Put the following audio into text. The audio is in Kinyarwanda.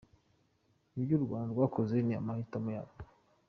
Ibyo u Rwanda rwakoze ni amahitamo yarwo’.